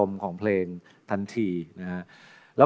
โปรดติดตามต่อไป